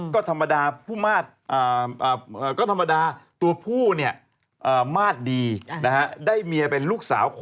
ก็ธรรมดา